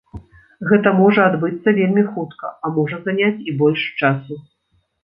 Гэта можа адбыцца вельмі хутка, а можа заняць і больш часу.